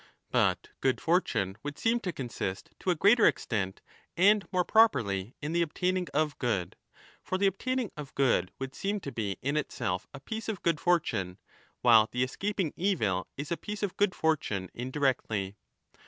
But good fortune would seem to consist to a greater extent and more properly in the obtaining of good. For the obtaining of good would seem to be in itself a piece of good fortune, while the escaping evil is a piece of good fortune indirectly.